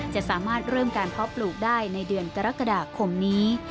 จะสามารถเริ่มการเพาะปลูกได้ในเดือนกรกฎาคมนี้